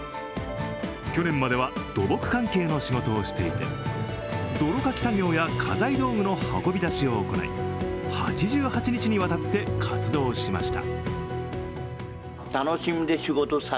去年までは土木関係の仕事をしていて泥かき作業や家財道具の運び出しを行い８８日にわたって活動しました。